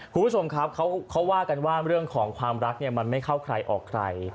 คุณผู้ชมครับเขาว่ากันว่าเรื่องของความรักเนี่ยมันไม่เข้าใครออกใคร